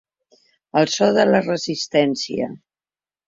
El so de la resistència.